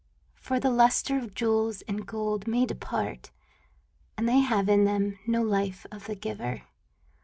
For the luster of jewels and gold may depart, And they have in them no life of the giver.